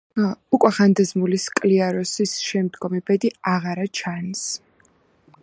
უკვე ხანდაზმული სკლიაროსის შემდგომი ბედი აღარა ჩანს.